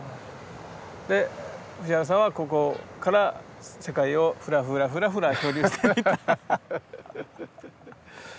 で藤原さんはここから世界をふらふらふらふら漂流していった。